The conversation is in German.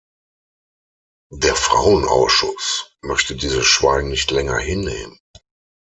Der Frauenausschuss möchte dieses Schweigen nicht länger hinnehmen.